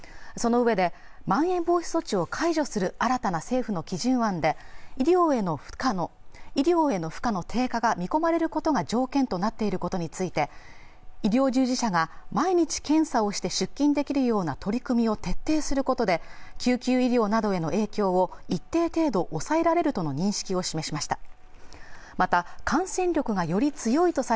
そのうえでまん延防止措置を解除する新たな政府の基準案で医療への負荷の低下が見込まれることが条件となっていることについて医療従事者が毎日検査をして出勤できるような取り組みを徹底することで救急医療などへの影響を一定程度抑えられるとの認識を示しました